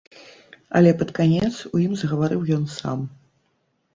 Але пад канец у ім загаварыў ён сам.